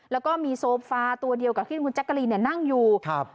แล้วก็มีโซฟาตัวเดียวกับคุณแจ๊กกะลีนนั่งอยู่